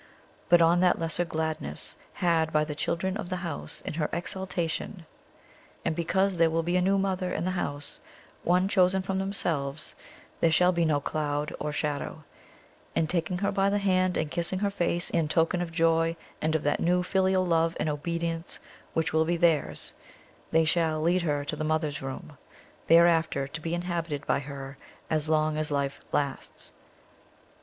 But on that lesser gladness had by the children of the house in her exaltation, and because there will be a new mother in the house one chosen from themselves there shall be no cloud or shadow; and, taking her by the hand, and kissing her face in token of joy, and of that new filial love and obedience which will be theirs, they shall lead her to the Mother's Room, thereafter to be inhabited by her as long as life lasts.